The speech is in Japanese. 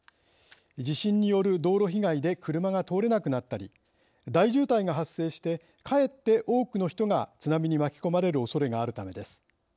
地震による道路被害で車が通れなくなったり大渋滞が発生してかえって多くの人が津波に巻き込まれるおそれがあるためです。